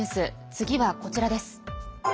次はこちらです。